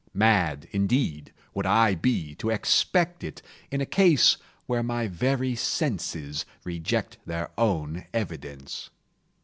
Mad indeed would I be to expect it, in a case where my very senses reject their own evidence.